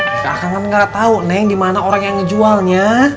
neng kan gak tau neng dimana orang yang ngejualnya